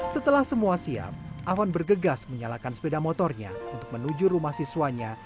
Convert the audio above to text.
setelah semua siap awan bergegas menyalakan sepeda motornya untuk menuju rumah siswanya